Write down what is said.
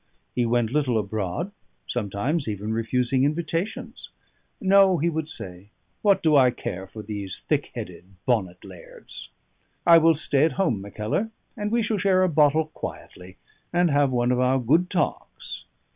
He went little abroad; sometimes even refusing invitations. "No," he would say, "what do I care for these thick headed bonnet lairds? I will stay at home, Mackellar; and we shall share a bottle quietly, and have one of our good talks."